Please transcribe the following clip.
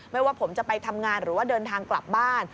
ว่าผมจะไปทำงานหรือว่าเดินทางกลับบ้าน